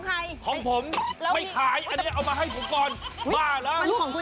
กระเป๋าก็ขาย